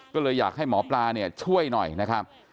ก็เลยอยากให้หมอปลาเนี่ยช่วยหน่อยนะครับ